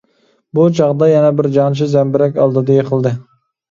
بۇ چاغدا يەنە بىر جەڭچى زەمبىرەك ئالدىدا يىقىلدى.